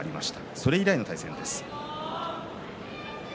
それ以来の対戦です。